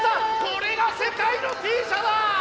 これが世界のＴ社だ！